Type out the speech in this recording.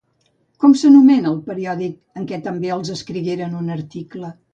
Com s'anomena el periòdic en què també els escrigueren un article?